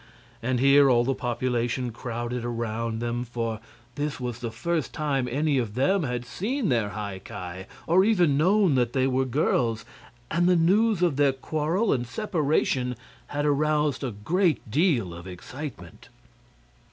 And here all the population crowded around them, for this was the first time any of them had seen their High Ki, or even known that they were girls; and the news of their quarrel and separation had aroused a great deal of excitement.